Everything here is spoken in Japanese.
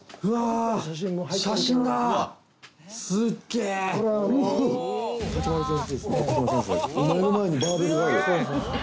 「すげえ」「目の前にバーベルがある。